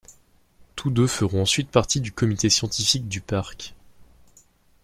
Tous deux feront ensuite partie du Comité scientifique du parc.